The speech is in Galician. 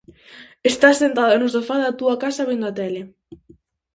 Estás sentada no sofá da túa casa vendo a tele.